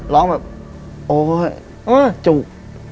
ร้องแบบโอ้ยจุก